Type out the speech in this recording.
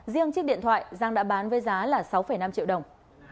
riêng chiếc điện thoại giang đã bán với giá là sáu năm triệu đồng